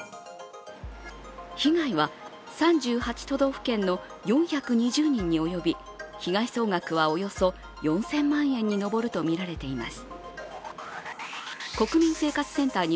被害は３８都道府県の４２０人に及び被害総額はおよそ４０００万円に上るとみられています。